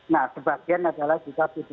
nah sebagian adalah juga pdp